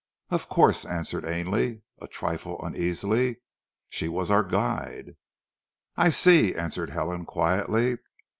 "Of course!" answered Ainley a trifle uneasily. "She was our guide." "I see," answered Helen quietly.